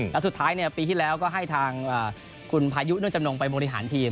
แล้วสุดท้ายปีที่แล้วก็ให้ทางคุณพายุเนื่อจำนงไปบริหารทีม